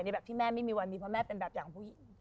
เป็นแบบอย่างของผู้ชาย